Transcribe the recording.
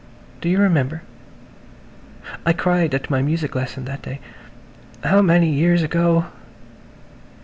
Do you remember? I cried at my music lesson that day–how many years ago